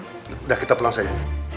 udah kita pulang saja